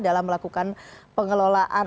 dalam melakukan pengelolaan